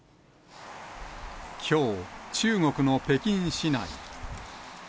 きょう、中国の北京市内。